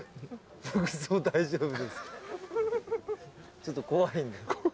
ちょっと怖いんで。